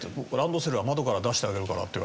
ランドセルは窓から出してあげるからって。